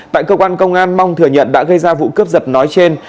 tại cơ quan công an mong thừa nhận đã gây ra vụ cướp giật nói trên